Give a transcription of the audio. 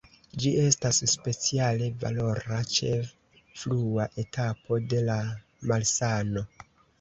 Ĝi estas speciale valora ĉe frua etapo de la malsano.